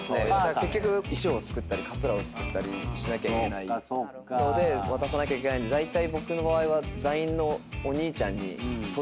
結局衣装を作ったりカツラを作ったりしなきゃいけないので渡さなきゃいけないんでだいたい僕の場合は。